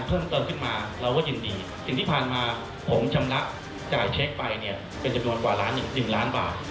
เป็นจำนวนกว่า๑ล้านบาท